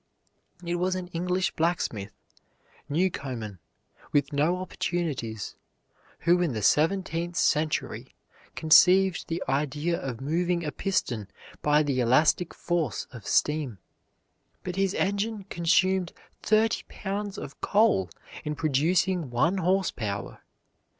It was an English blacksmith, Newcomen, with no opportunities, who in the seventeenth century conceived the idea of moving a piston by the elastic force of steam; but his engine consumed thirty pounds of coal in producing one horse power.